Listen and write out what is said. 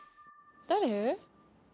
誰？